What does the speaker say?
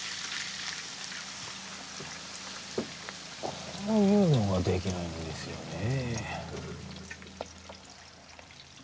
こういうのができないんですよねえ